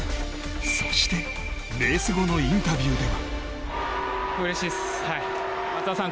そしてレース後のインタビューでは松田さん